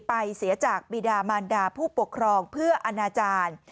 เสียจากบีดามานดาผู้ปกครองเพื่ออนาจารย์